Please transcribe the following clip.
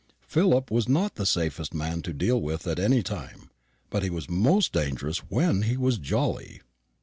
Philip was not the safest man to deal with at any time; but he was most dangerous when he was "jolly."